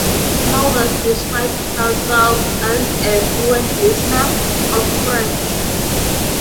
Smulders describes herself as "a fluent listener" of French.